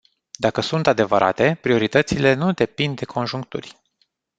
Dacă sunt adevărate, prioritățile nu depind de conjuncturi.